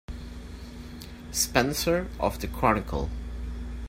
Spencer of the Chronicle.